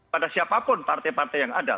pada siapapun partai partai yang ada